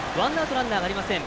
ランナー、ありません。